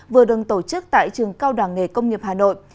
vừa được tổ chức tại trường cao đảng nghề công nghiệp hà nội